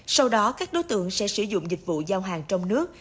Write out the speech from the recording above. sau đó các đối tượng sẽ sử dụng dịch vụ giao hàng trong nước